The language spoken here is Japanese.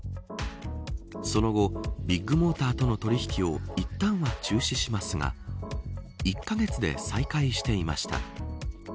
その後ビッグモーターとの取引をいったんは中止しますが１カ月で再開していました。